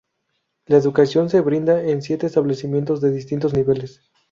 La educación se brinda en siete establecimientos de distintos niveles.